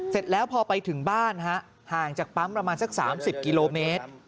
เสร็จแล้วพอไปถึงบ้านห่างจากปั๊มประมาณสัก๓๐กิโลเมตร